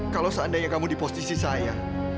kalau seandainya kamu di posisi saya